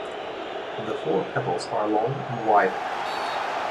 The four petals are long and wide.